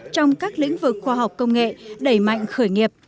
trong các lĩnh vực khoa học công nghệ đẩy mạnh khởi nghiệp